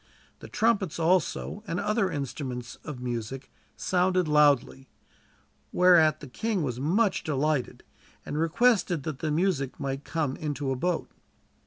The trumpets also, and other instruments of music, sounded loudly, whereat the king was much delighted, and requested that the music might come into a boat.